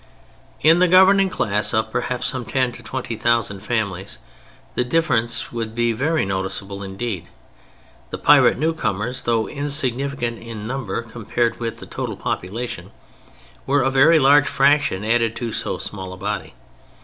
In the governing class of perhaps some ten to twenty thousand families the difference would be very noticeable indeed. The pirate newcomers, though insignificant in number compared with the total population, were a very large fraction added to so small a body.